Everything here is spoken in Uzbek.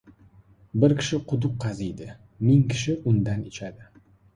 • Bir kishi quduq qaziydi, ming kishi undan ichadi.